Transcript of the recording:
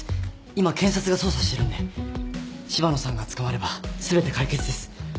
今検察が捜査してるんで柴野さんが捕まれば全て解決です。